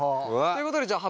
ということでじゃあ